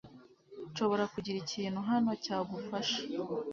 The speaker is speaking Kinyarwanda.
Nshobora kugira ikintu hano cyagufasha.